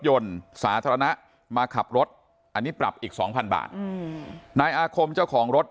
ยนต์สาธารณะมาขับรถอันนี้ปรับอีกสองพันบาทอืมนายอาคมเจ้าของรถ